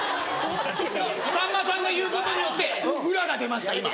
さんまさんが言うことによって裏が出ました。